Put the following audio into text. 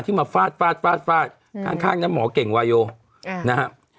ที่มาฟาดฟาดฟาดฟาดข้างเนี่ยหมอเก่งวายโยนะครับ